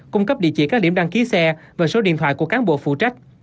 cung cấp địa chỉ các điểm đăng ký xe và số điện thoại của cán bộ phụ trách